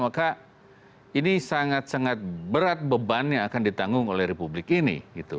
maka ini sangat sangat berat beban yang akan ditanggung oleh republik ini